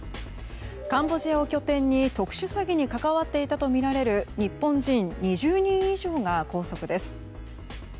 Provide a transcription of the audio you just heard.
カンボジアを拠点に特殊詐欺に関わっていたとみられる日本人２０人以上が拘束です。